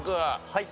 はい。